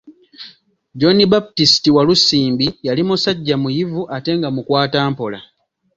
John Baptist Walusimbi yali musajja muyivu ate nga mukwatampola.